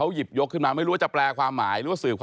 นั่นแหละสิเขายิบยกขึ้นมาไม่รู้ว่าจะแปลความหมายไว้ถึงใคร